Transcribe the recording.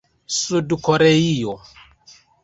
Sud Koreio